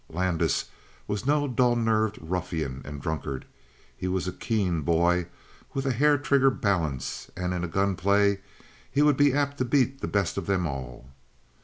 Landis was no dull nerved ruffian and drunkard. He was a keen boy with a hair trigger balance, and in a gunplay he would be apt to beat the best of them all.